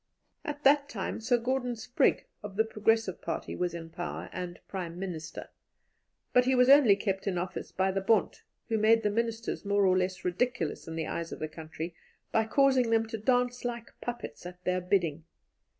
At that time Sir Gordon Sprigg, of the Progressive Party, was in power and Prime Minister; but he was only kept in office by the Bond, who made the Ministers more or less ridiculous in the eyes of the country by causing them to dance like puppets at their bidding.